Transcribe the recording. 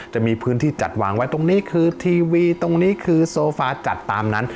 จะมีพื้นที่จัดวางไว้ตรงนี้คือทีวีตรงนี้คือโซฟาจัดตามนั้น